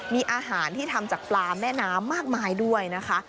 มีอาหารที่ทำจากปลาแม่น้ำมากมายด้วยนะคะ